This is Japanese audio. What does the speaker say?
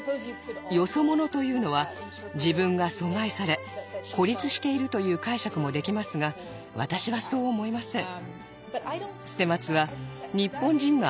「よそ者」というのは自分が阻害され孤立しているという解釈もできますが私はそう思いません。